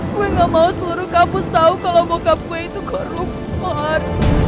gue gak mau seluruh kampus tau kalo bokap gue itu korupor